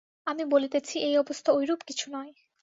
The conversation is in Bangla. আমি বলিতেছি, এই অবস্থা ঐরূপ কিছু নয়।